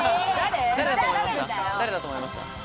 誰だと思いました？